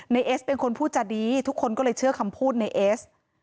เอสเป็นคนพูดจาดีทุกคนก็เลยเชื่อคำพูดในเอส